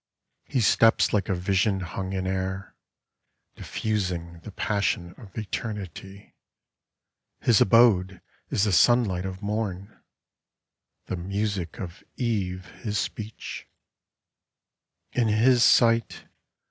He steps like a vision hung in air. Diffusing the passion of Eternity ; His abode is the sunlight of mom, The music of eve his speech : In his sight.